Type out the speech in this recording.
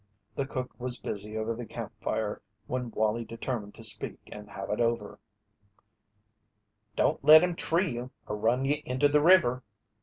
The cook was busy over the camp fire when Wallie determined to speak and have it over. "Don't let him tree you or run you into the river."